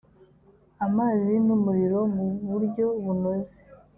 amazi n umuriro mu buryo bunoze